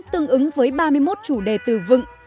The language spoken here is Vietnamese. tương ứng với ba mươi một chủ đề từ vựng